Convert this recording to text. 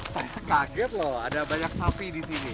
saya kaget loh ada banyak sapi di sini